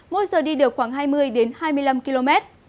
mỗi giờ đi được khoảng hai mươi hai mươi năm km